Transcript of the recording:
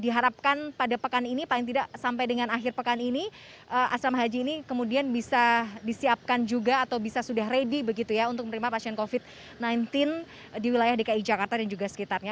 diharapkan pada pekan ini paling tidak sampai dengan akhir pekan ini asrama haji ini kemudian bisa disiapkan juga atau bisa sudah ready begitu ya untuk menerima pasien covid sembilan belas di wilayah dki jakarta dan juga sekitarnya